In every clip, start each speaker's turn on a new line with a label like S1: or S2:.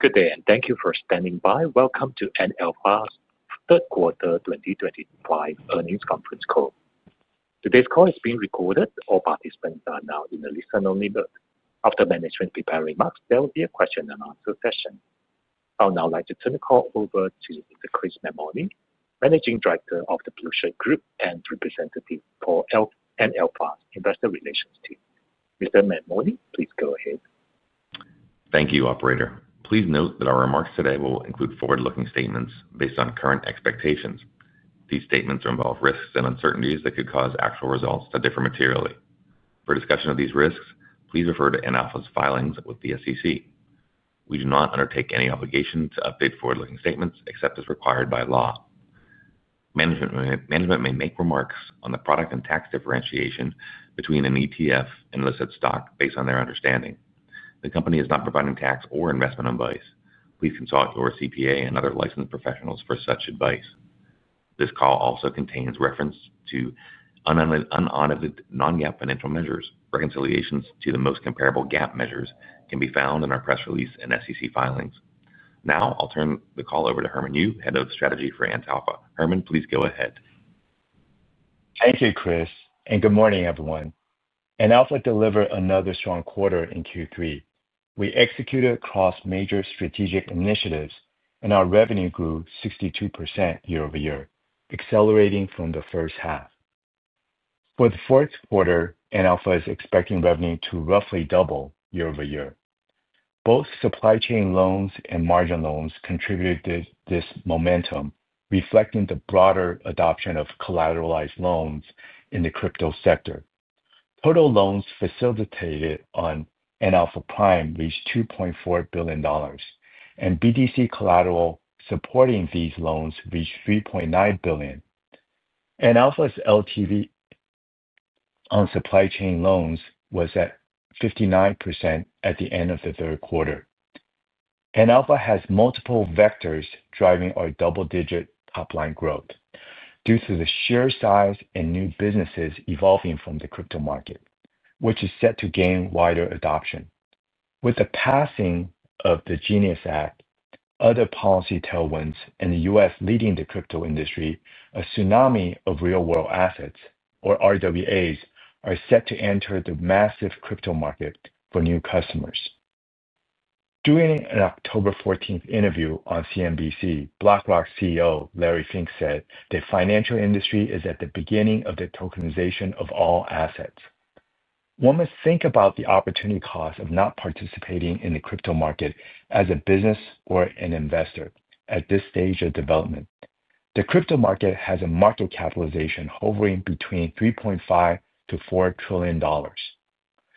S1: Good day, and thank you for standing by. Welcome to NLPaaS Third Quarter 2025 Earnings Conference Call. Today's call is being recorded. All participants are now in a listen-only mode. After management prepare remarks, there will be a question-and-answer session. I would now like to turn the call over to Mr. Chris Mammoni, Managing Director of the BlueShield Group and Representative for NLPaaS Investor Relations Team. Mr. Mammoni, please go ahead.
S2: Thank you, Operator. Please note that our remarks today will include forward-looking statements based on current expectations. These statements involve risks and uncertainties that could cause actual results to differ materially. For discussion of these risks, please refer to Antalpha filings with the SEC. We do not undertake any obligation to update forward-looking statements except as required by law. Management may make remarks on the product and tax differentiation between an ETF and listed stock based on their understanding. The company is not providing tax or investment advice. Please consult your CPA and other licensed professionals for such advice. This call also contains reference to unaudited non-GAAP financial measures. Reconciliations to the most comparable GAAP measures can be found in our press release and SEC filings. Now, I'll turn the call over to Herman Yu, Head of Strategy for Antalpha. Herman, please go ahead.
S3: Thank you, Chris, and good morning, everyone. Antalpha delivered another strong quarter in Q3. We executed across major strategic initiatives, and our revenue grew 62% year-over-year, accelerating from the first half. For the fourth quarter, Antalpha is expecting revenue to roughly double year-over-year. Both supply chain loans and margin loans contributed to this momentum, reflecting the broader adoption of collateralized loans in the crypto sector. Total loans facilitated on Antalpha Prime reached $2.4 billion, and BDC collateral supporting these loans reached $3.9 billion. Antalpha LTV on supply chain loans was at 59% at the end of the third quarter. Antalpha has multiple vectors driving our double-digit top-line growth due to the sheer size and new businesses evolving from the crypto market, which is set to gain wider adoption. With the passing of the Genius Act, other policy tailwinds, and the U.S. Leading the crypto industry, a tsunami of real-world assets, or RWAs, are set to enter the massive crypto market for new customers. During an October 14 interview on CNBC, BlackRock CEO Larry Fink said the financial industry is at the beginning of the tokenization of all assets. One must think about the opportunity cost of not participating in the crypto market as a business or an investor at this stage of development. The crypto market has a market capitalization hovering between $3.5 trillion-$4 trillion.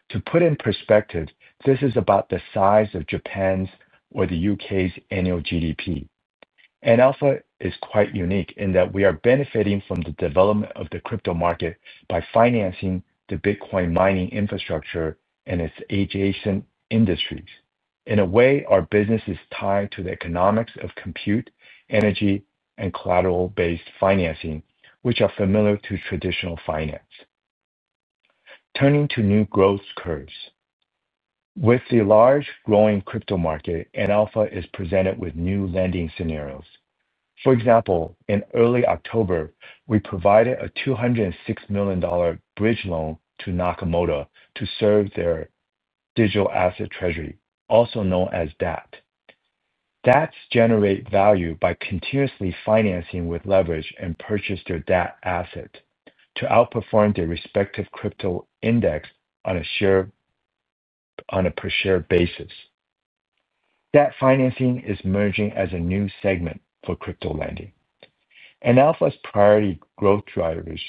S3: To put in perspective, this is about the size of Japan's or the U.K.'s annual GDP. Antalpha is quite unique in that we are benefiting from the development of the crypto market by financing the Bitcoin mining infrastructure and its adjacent industries. In a way, our business is tied to the economics of compute, energy, and collateral-based financing, which are familiar to traditional finance. Turning to new growth curves. With the large growing crypto market, NLPaaS is presented with new lending scenarios. For example, in early October, we provided a $206 million bridge loan to Nakamoto to serve their digital asset treasury, also known as DATT. DATTs generate value by continuously financing with leverage and purchase their DATT asset to outperform their respective crypto index on a per-share basis. DATT financing is emerging as a new segment for crypto lending. NLPaaS's priority growth strategies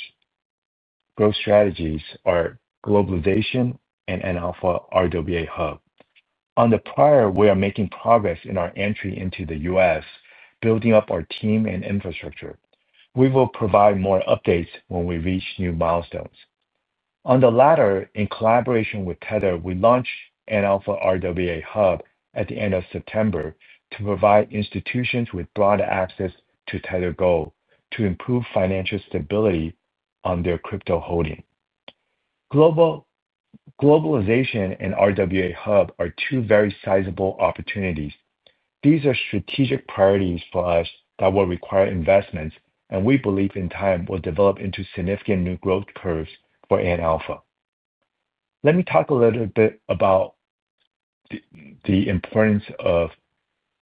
S3: are globalization and NLPaaS RWA hub. On the prior, we are making progress in our entry into the U.S., building up our team and infrastructure. We will provide more updates when we reach new milestones. On the latter, in collaboration with Tether, we launched NLPaaS RWA hub at the end of September to provide institutions with broader access to Tether Gold to improve financial stability on their crypto holding. Globalization and RWA hub are two very sizable opportunities. These are strategic priorities for us that will require investments, and we believe in time will develop into significant new growth curves for NLPaaS. Let me talk a little bit about the importance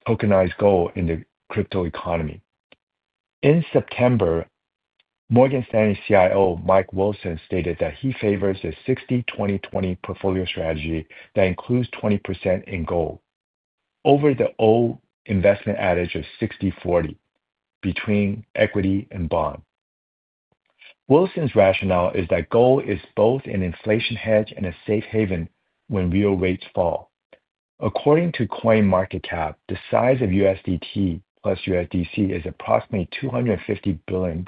S3: of tokenized gold in the crypto economy. In September, Morgan Stanley CIO Mike Wilson stated that he favors a 60/20/20 portfolio strategy that includes 20% in gold over the old investment adage of 60/40 between equity and bond. Wilson's rationale is that gold is both an inflation hedge and a safe haven when real rates fall. According to CoinMarketCap, the size of USDT plus USDC is approximately $250 billion,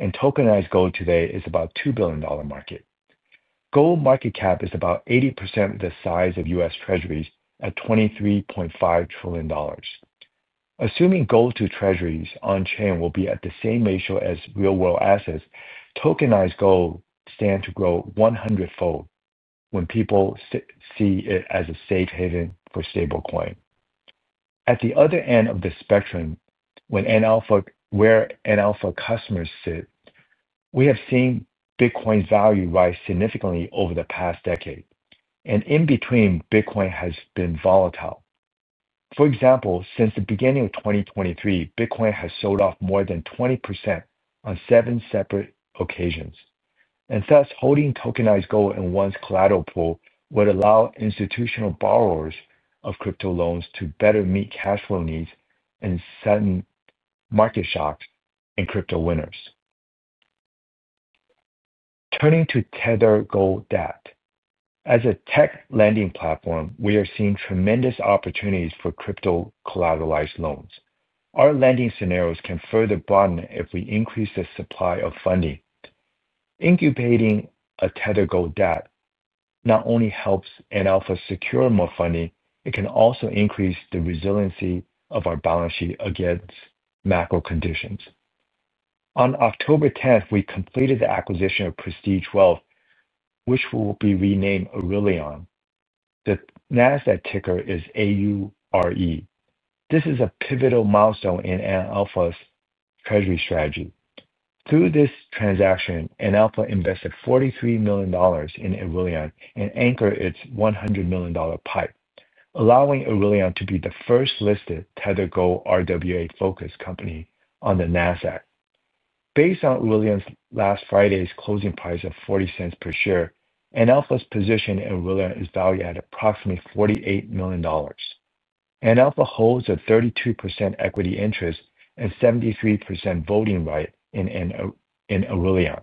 S3: and tokenized gold today is about $2 billion market. Gold market cap is about 80% of the size of U.S. treasuries at $23.5 trillion. Assuming gold to treasuries on-chain will be at the same ratio as real-world assets, tokenized gold stands to grow 100-fold when people see it as a safe haven for stablecoin. At the other end of the spectrum, where NLPaaS customers sit, we have seen Bitcoin's value rise significantly over the past decade, and in between, Bitcoin has been volatile. For example, since the beginning of 2023, Bitcoin has sold off more than 20% on seven separate occasions. Thus, holding tokenized gold in one's collateral pool would allow institutional borrowers of crypto loans to better meet cash flow needs in sudden market shocks and crypto winners. Turning to Tether Gold DATT. As a tech lending platform, we are seeing tremendous opportunities for crypto collateralized loans. Our lending scenarios can further broaden if we increase the supply of funding. Incubating a Tether Gold DATT not only helps NLPaaS secure more funding, it can also increase the resiliency of our balance sheet against macro conditions. On October 10, we completed the acquisition of Prestige Wealth, which will be renamed Aurelion. The NASDAQ ticker is AURE. This is a pivotal milestone in NLPaaS's treasury strategy. Through this transaction, NLPaaS invested $43 million in Aurelion and anchored its $100 million PIPE, allowing Aurelion to be the first listed Tether Gold RWA-focused company on the NASDAQ. Based on Aurelion's last Friday's closing price of $0.40 per share, NLPaaS's position in Aurelion is valued at approximately $48 million. NLPaaS holds a 32% equity interest and 73% voting right in Aurelion.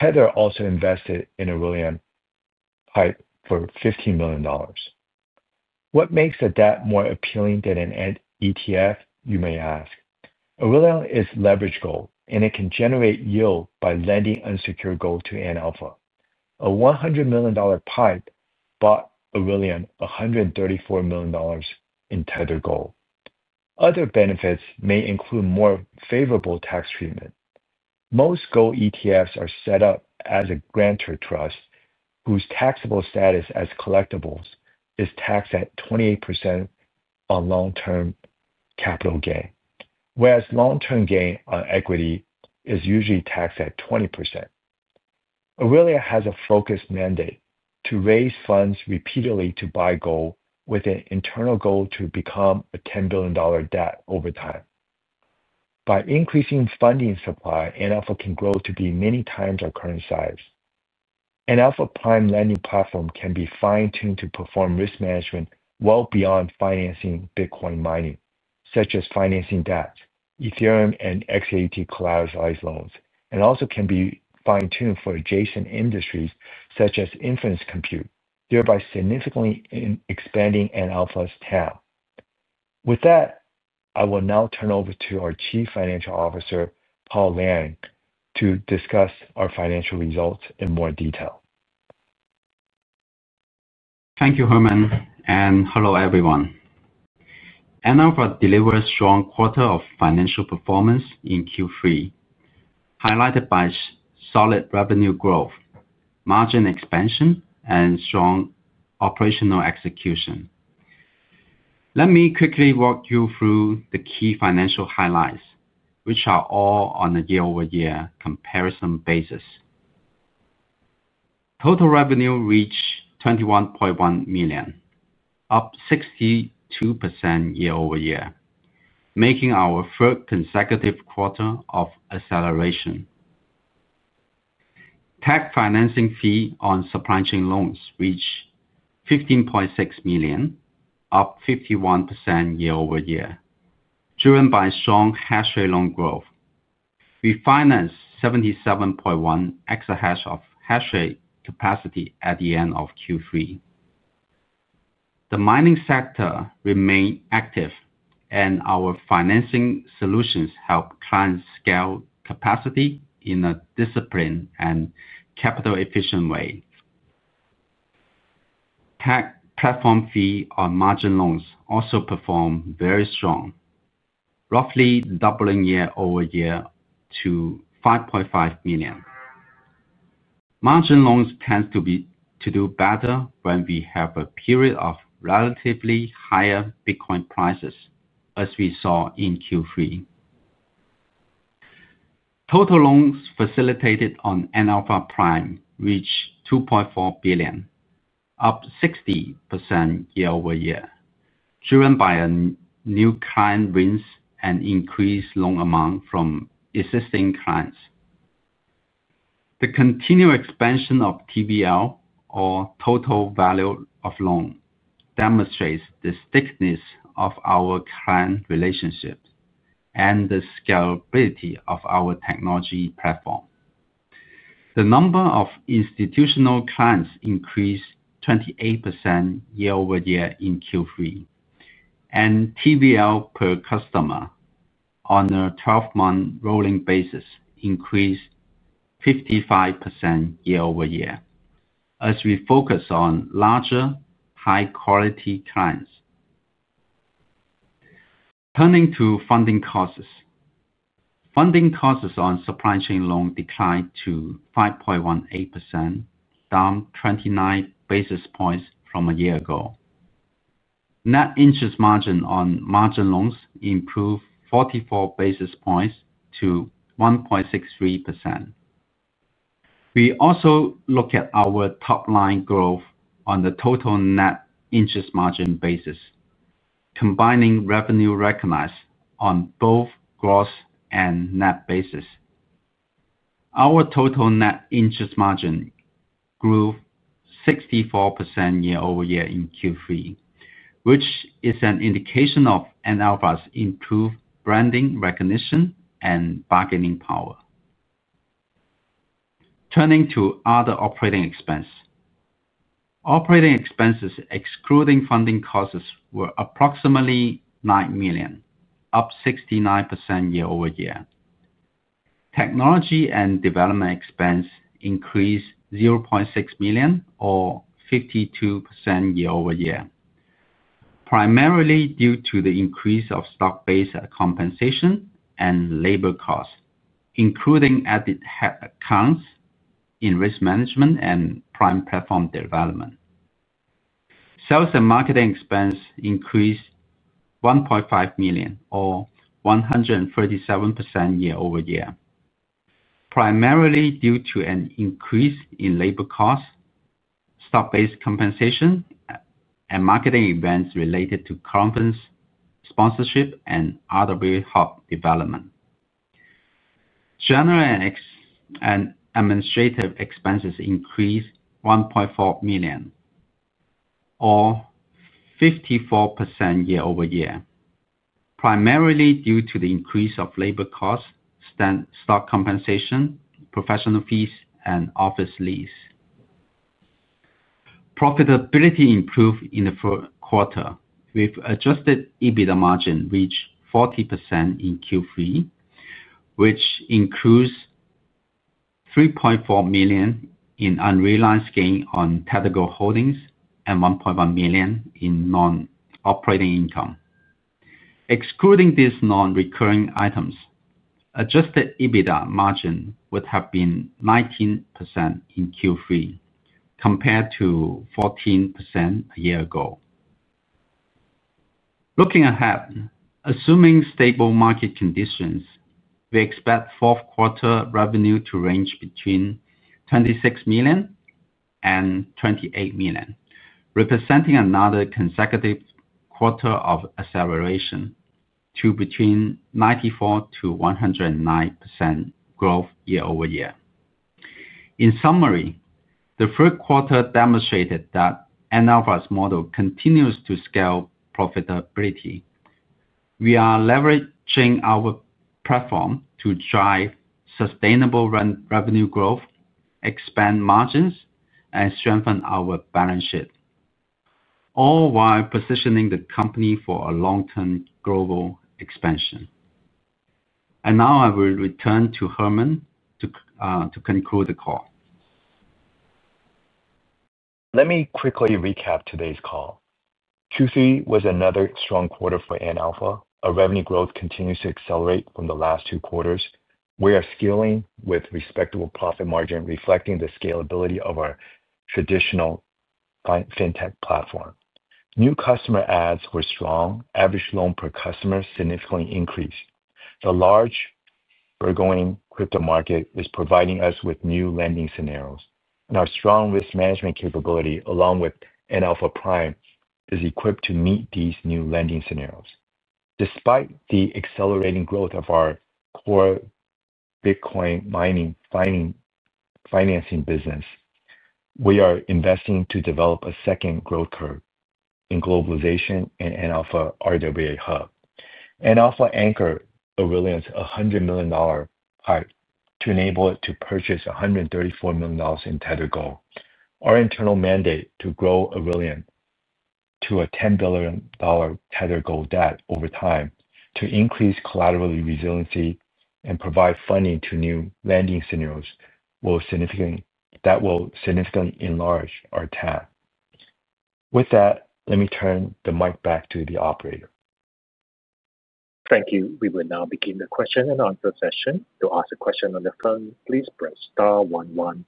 S3: Tether also invested in Aurelion's PIPE for $15 million. What makes a DATT more appealing than an ETF, you may ask? Aurelion is leveraged gold, and it can generate yield by lending unsecured gold to NLPaaS. A $100 million PIPE bought Aurelion $134 million in Tether Gold. Other benefits may include more favorable tax treatment. Most gold ETFs are set up as a grantor trust whose taxable status as collectibles is taxed at 28% on long-term capital gain, whereas long-term gain on equity is usually taxed at 20%. Aurelion has a focused mandate to raise funds repeatedly to buy gold with an internal goal to become a $10 billion DATT over time. By increasing funding supply, NLPaaS can grow to be many times our current size. NLPaaS Prime Emmanuel Platform can be fine-tuned to perform risk management well beyond financing Bitcoin mining, such as financing DATT, Ethereum, and XAT collateralized loans, and also can be fine-tuned for adjacent industries such as inference compute, thereby significantly expanding NLPaaS's talent. With that, I will now turn over to our Chief Financial Officer, Paul Lang, to discuss our financial results in more detail.
S4: Thank you, Herman, and hello everyone. Antalpha delivered a strong quarter of financial performance in Q3, highlighted by solid revenue growth, margin expansion, and strong operational execution. Let me quickly walk you through the key financial highlights, which are all on a year-over-year comparison basis. Total revenue reached $21.1 million, up 62% year-over-year, making our third consecutive quarter of acceleration. Tech financing fee on supply chain loans reached $15.6 million, up 51% year-over-year, driven by strong hash rate loan growth. We financed 77.1 exahash of hash rate capacity at the end of Q3. The mining sector remained active, and our financing solutions help clients scale capacity in a disciplined and capital-efficient way. Tech platform fee on margin loans also performed very strong, roughly doubling year-over-year to $5.5 million. Margin loans tend to do better when we have a period of relatively higher Bitcoin prices, as we saw in Q3. Total loans facilitated on NLPaaS Prime reached $2.4 billion, up 60% year-over-year, driven by a new client rings and increased loan amount from existing clients. The continual expansion of TVL, or total value of loan, demonstrates the stiffness of our client relationships and the scalability of our technology platform. The number of institutional clients increased 28% year-over-year in Q3, and TVL per customer on a 12-month rolling basis increased 55% year-over-year, as we focus on larger, high-quality clients. Turning to funding costs. Funding costs on supply chain loans declined to 5.18%, down 29 basis points from a year ago. Net interest margin on margin loans improved 44 basis points to 1.63%. We also look at our top-line growth on the total net interest margin basis, combining revenue recognized on both gross and net basis. Our total net interest margin grew 64% year-over-year in Q3, which is an indication of Antalpha's improved branding recognition and bargaining power. Turning to other operating expense. Operating expenses excluding funding costs were approximately $9 million, up 69% year-over-year. Technology and development expenses increased $0.6 million, or 52% year-over-year, primarily due to the increase of stock-based compensation and labor costs, including added headcounts in risk management and Prime Platform development. Sales and marketing expenses increased $1.5 million, or 137% year-over-year, primarily due to an increase in labor costs, stock-based compensation, and marketing events related to conference sponsorship and RWA hub development. General and administrative expenses increased $1.4 million, or 54% year-over-year, primarily due to the increase of labor costs, stock compensation, professional fees, and office lease. Profitability improved in the fourth quarter. We've adjusted EBITDA margin reached 40% in Q3, which includes $3.4 million in unrealized gain on Tether Gold holdings and $1.1 million in non-operating income. Excluding these non-recurring items, adjusted EBITDA margin would have been 19% in Q3, compared to 14% a year ago. Looking ahead, assuming stable market conditions, we expect fourth quarter revenue to range between $26 million and $28 million, representing another consecutive quarter of acceleration to between 94%-109% growth year-over-year. In summary, the third quarter demonstrated that Antalpha model continues to scale profitability. We are leveraging our platform to drive sustainable revenue growth, expand margins, and strengthen our balance sheet, all while positioning the company for a long-term global expansion. I will return to Herman to conclude the call.
S3: Let me quickly recap today's call. Q3 was another strong quarter for Antalpha. Our revenue growth continues to accelerate from the last two quarters. We are scaling with respectable profit margin, reflecting the scalability of our traditional fintech platform. New customer adds were strong. Average loan per customer significantly increased. The large-burgeoning crypto market is providing us with new lending scenarios, and our strong risk management capability, along with Antalpha Prime, is equipped to meet these new lending scenarios. Despite the accelerating growth of our core Bitcoin mining financing business, we are investing to develop a second growth curve in globalization and Antalpha RWA hub. Antalpha anchored Aurelion's $100 million PIPE to enable it to purchase $134 million in Tether Gold. Our internal mandate to grow Aurelion to a $10 billion Tether Gold XAUT over time to increase collateral resiliency and provide funding to new lending scenarios will significantly enlarge our talent. With that, let me turn the mic back to the operator.
S1: Thank you. We will now begin the question and answer session. To ask a question on the phone, please press star one one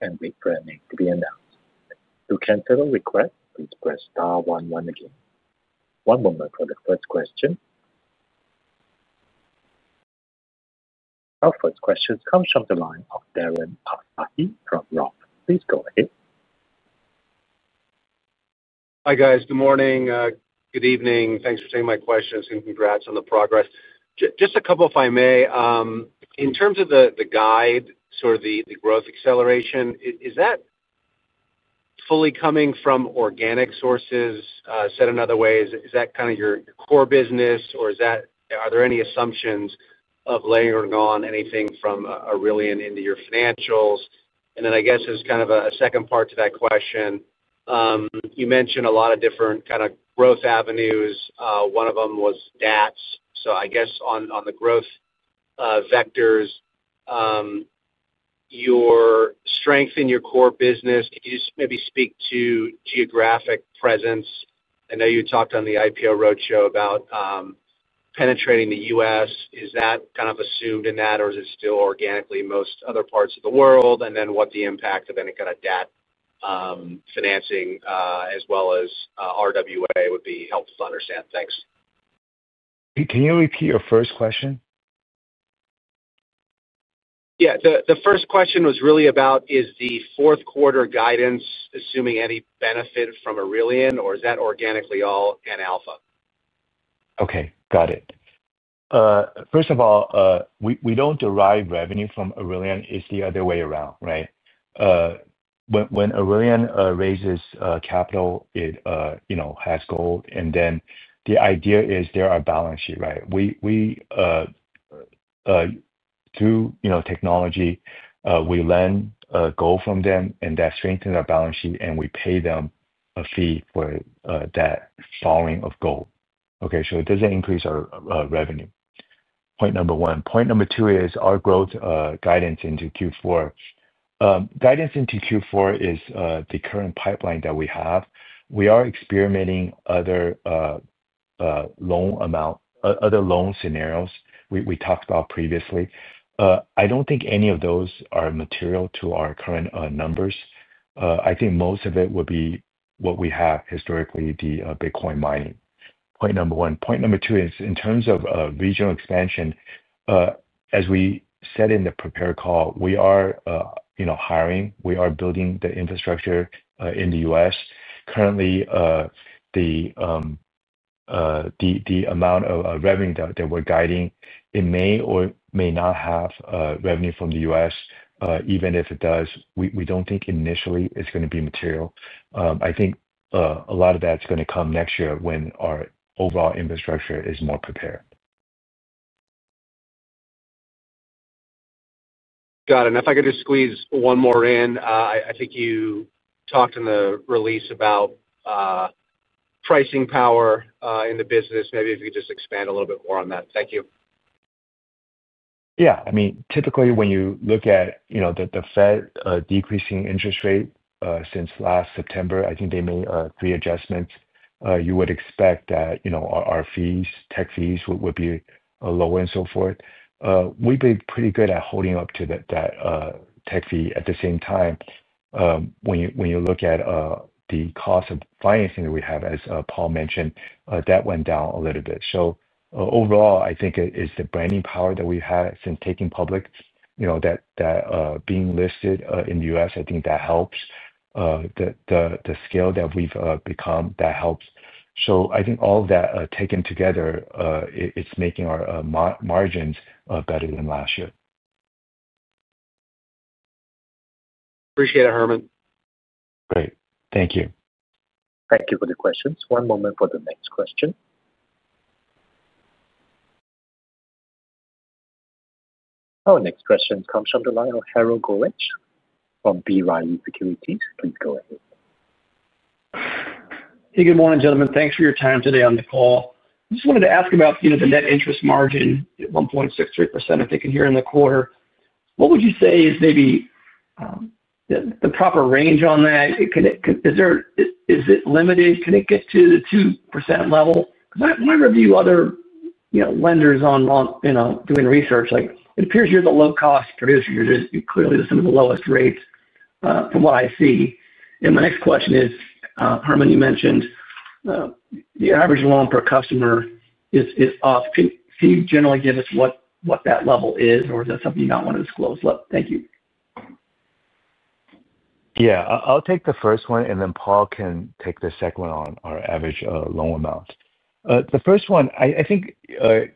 S1: and wait for a name to be announced. To cancel a request, please press star one one again. One moment for the first question. Our first question comes from the line of Darren Aftahi from Roth. Please go ahead.
S5: Hi guys. Good morning. Good evening. Thanks for taking my questions and congrats on the progress. Just a couple, if I may. In terms of the guide, sort of the growth acceleration, is that fully coming from organic sources? Said in other ways, is that kind of your core business, or are there any assumptions of layering on anything from Aurelion into your financials? I guess as kind of a second part to that question, you mentioned a lot of different kind of growth avenues. One of them was DATTs. I guess on the growth vectors, your strength in your core business, can you just maybe speak to geographic presence? I know you talked on the IPO Roadshow about penetrating the U.S. Is that kind of assumed in that, or is it still organically most other parts of the world? What the impact of any kind of DATT financing as well as RWA would be helpful to understand. Thanks.
S3: Can you repeat your first question?
S5: Yeah. The first question was really about, is the fourth quarter guidance assuming any benefit from Aurelion, or is that organically all NLPaaS?
S3: Okay. Got it. First of all, we do not derive revenue from Aurelion. It is the other way around, right? When Aurelion raises capital, it has gold, and then the idea is there are balance sheets, right? Through technology, we lend gold from them, and that strengthens our balance sheet, and we pay them a fee for that following of gold. Okay? It does not increase our revenue. Point number one. Point number two is our growth guidance into Q4. Guidance into Q4 is the current pipeline that we have. We are experimenting other loan scenarios we talked about previously. I do not think any of those are material to our current numbers. I think most of it would be what we have historically, the Bitcoin mining. Point number one. Point number two is in terms of regional expansion, as we said in the prepared call, we are hiring. We are building the infrastructure in the U.S. Currently, the amount of revenue that we're guiding, it may or may not have revenue from the U.S. Even if it does, we don't think initially it's going to be material. I think a lot of that's going to come next year when our overall infrastructure is more prepared.
S5: Got it. If I could just squeeze one more in, I think you talked in the release about pricing power in the business. Maybe if you could just expand a little bit more on that. Thank you.
S3: Yeah. I mean, typically when you look at the Fed decreasing interest rate since last September, I think they made three adjustments. You would expect that our fees, tech fees, would be lower and so forth. We've been pretty good at holding up to that tech fee. At the same time, when you look at the cost of financing that we have, as Paul mentioned, that went down a little bit. Overall, I think it is the branding power that we have since taking public, that being listed in the U.S., I think that helps. The scale that we've become, that helps. I think all of that taken together, it's making our margins better than last year.
S5: Appreciate it, Herman.
S3: Great. Thank you.
S1: Thank you for the questions. One moment for the next question. Our next question comes from the line of Harold Goetsch from B. Riley Securities. Please go ahead.
S6: Hey, good morning, gentlemen. Thanks for your time today on the call. I just wanted to ask about the net interest margin at 1.63%, I think, in here in the quarter. What would you say is maybe the proper range on that? Is it limited? Can it get to the 2% level? Because I review other lenders on doing research. It appears you're the low-cost producer. You're clearly some of the lowest rates from what I see. My next question is, Herman, you mentioned the average loan per customer is off. Can you generally give us what that level is, or is that something you don't want to disclose? Thank you.
S3: Yeah. I'll take the first one, and then Paul can take the second one on our average loan amount. The first one, I think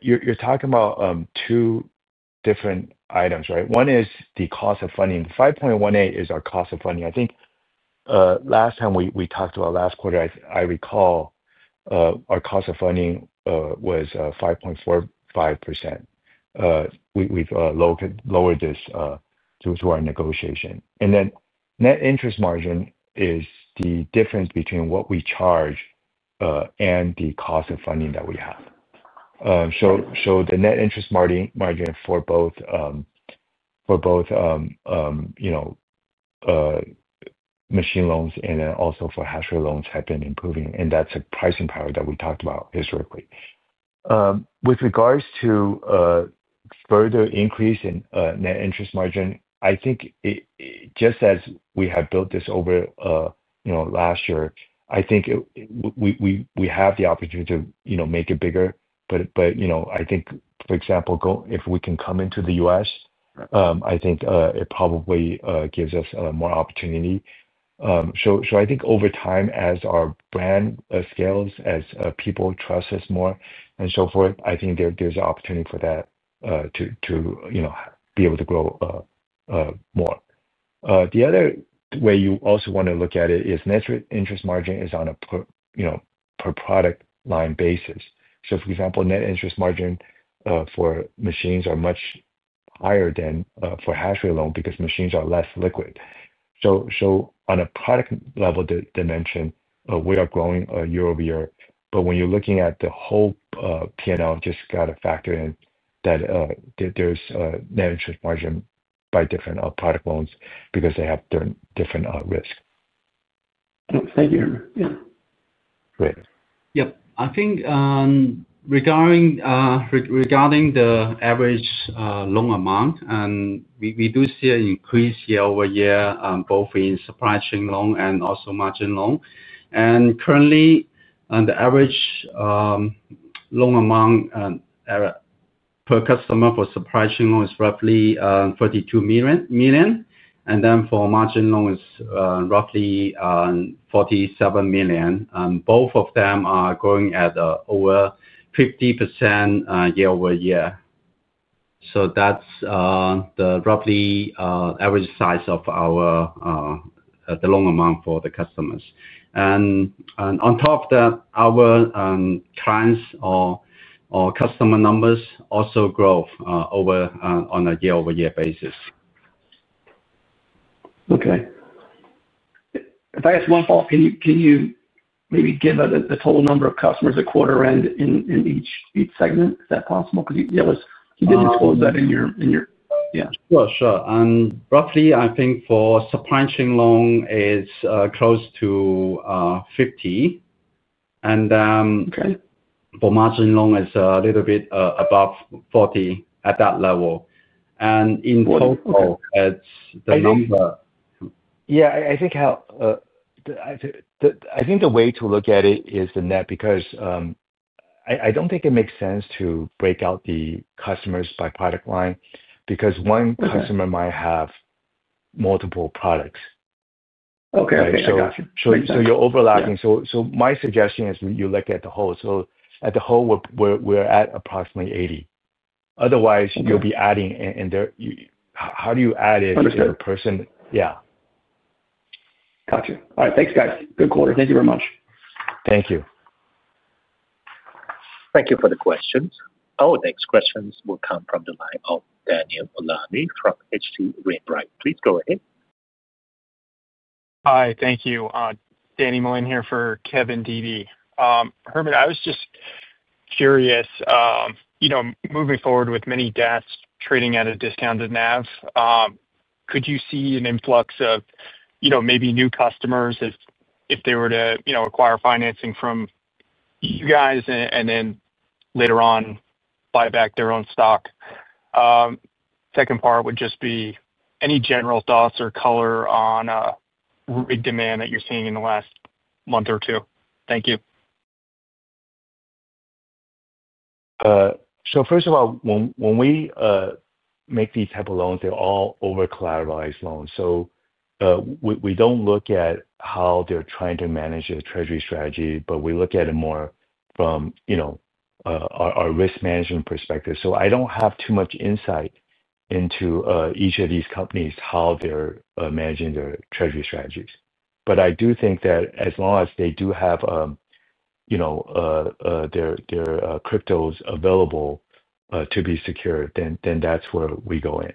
S3: you're talking about two different items, right? One is the cost of funding. The 5.18% is our cost of funding. I think last time we talked about last quarter, I recall our cost of funding was 5.45%. We've lowered this through our negotiation. The net interest margin is the difference between what we charge and the cost of funding that we have. The net interest margin for both machine loans and then also for hash rate loans have been improving. That's a pricing power that we talked about historically. With regards to further increase in net interest margin, I think just as we have built this over last year, I think we have the opportunity to make it bigger. I think, for example, if we can come into the U.S., I think it probably gives us more opportunity. I think over time, as our brand scales, as people trust us more, and so forth, I think there's an opportunity for that to be able to grow more. The other way you also want to look at it is net interest margin is on a per-product line basis. For example, net interest margin for machines are much higher than for hash rate loan because machines are less liquid. On a product level dimension, we are growing year over year. When you're looking at the whole P&L, just got to factor in that there's net interest margin by different product loans because they have different risk.
S6: Thank you, Herman. Yeah.
S3: Great.
S4: Yep. I think regarding the average loan amount, we do see an increase year over year, both in supply chain loan and also margin loan. Currently, the average loan amount per customer for supply chain loan is roughly $32 million. For margin loan, it is roughly $47 million. Both of them are growing at over 50% year over year. That is the roughly average size of the loan amount for the customers. On top of that, our clients or customer numbers also grow on a year-over-year basis.
S6: Okay. If I ask one follow-up, can you maybe give us the total number of customers at quarter end in each segment? Is that possible? Because you didn't disclose that in your, yeah.
S4: Sure. Sure. Roughly, I think for supply chain loan, it's close to 50. For margin loan, it's a little bit above 40 at that level. In total, it's the number.
S3: Yeah. I think the way to look at it is the net because I don't think it makes sense to break out the customers by product line because one customer might have multiple products.
S6: Okay. I gotcha.
S3: You're overlapping. My suggestion is you look at the whole. At the whole, we're at approximately 80. Otherwise, you'll be adding in there. How do you add it to the person?
S6: Understood.
S3: Yeah.
S6: Gotcha. All right. Thanks, guys. Good quarter. Thank you very much.
S3: Thank you.
S1: Thank you for the questions. Our next questions will come from the line of Daniel Mullane from H.C. Wainwright. Please go ahead.
S7: Hi. Thank you. Daniel Mulaney here for Kevin DD. Herman, I was just curious. Moving forward with many DATTs trading at a discounted NAV, could you see an influx of maybe new customers if they were to acquire financing from you guys and then later on buy back their own stock? Second part would just be any general thoughts or color on a big demand that you're seeing in the last month or two. Thank you.
S3: First of all, when we make these type of loans, they're all over-collateralized loans. We don't look at how they're trying to manage their treasury strategy, but we look at it more from our risk management perspective. I don't have too much insight into each of these companies, how they're managing their treasury strategies. I do think that as long as they do have their cryptos available to be secured, then that's where we go in.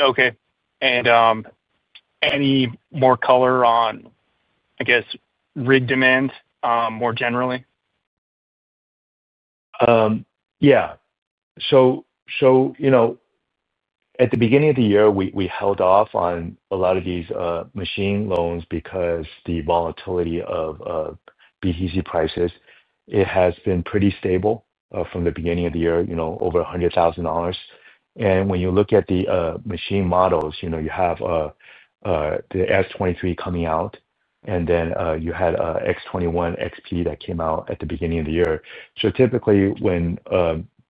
S7: Okay. Any more color on, I guess, rig demand more generally?
S3: Yeah. At the beginning of the year, we held off on a lot of these machine loans because the volatility of BTC prices, it has been pretty stable from the beginning of the year, over $100,000. When you look at the machine models, you have the S23 coming out, and then you had X21, XP that came out at the beginning of the year. Typically, when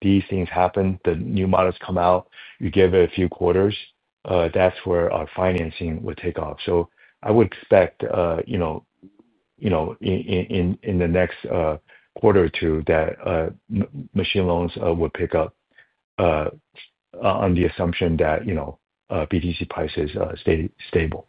S3: these things happen, the new models come out, you give it a few quarters, that is where our financing would take off. I would expect in the next quarter or two that machine loans would pick up on the assumption that BTC prices stay stable.